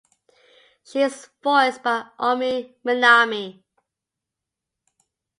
She is voiced by Omi Minami.